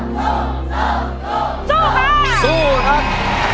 สู้สู้สู้สู้สู้ครับ